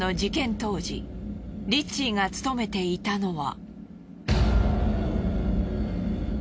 当時リッチーが勤めていたのは。